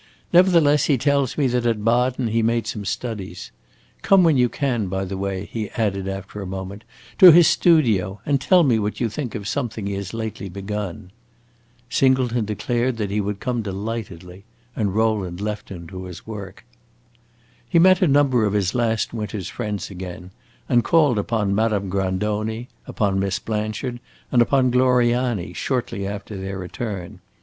Nevertheless, he tells me that at Baden he made some studies. Come when you can, by the way," he added after a moment, "to his studio, and tell me what you think of something he has lately begun." Singleton declared that he would come delightedly, and Rowland left him to his work. He met a number of his last winter's friends again, and called upon Madame Grandoni, upon Miss Blanchard, and upon Gloriani, shortly after their return.